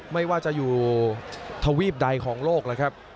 ไม่ว่าจะอยู่ทวีปใดของโลกแล้วครับ